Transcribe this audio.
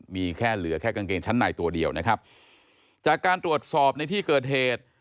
มีแค่เหลือแค่กางเกงชั้นในตัวเดียวนะครับจากการตรวจสอบในที่เกิดเหตุ